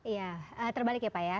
iya terbalik ya pak ya